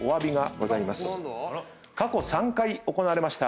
過去３回行われました